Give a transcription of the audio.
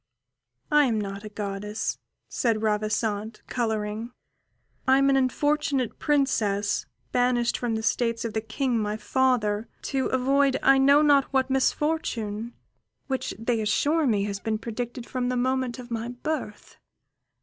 "I am not a goddess," said Ravissante, colouring; "I am an unfortunate princess banished from the states of the King, my father, to avoid I know not what misfortune, which they assure me has been predicted from the moment of my birth."